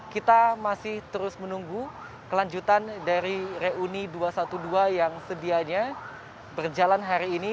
kita masih terus menunggu kelanjutan dari reuni dua ratus dua belas yang sedianya berjalan hari ini